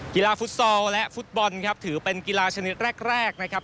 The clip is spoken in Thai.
กีฬาฟุตซอลและฟุตบอลครับถือเป็นกีฬาชนิดแรกนะครับ